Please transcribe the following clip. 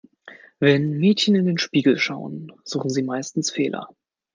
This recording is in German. Wenn Mädchen in den Spiegel schauen, suchen sie meistens Fehler.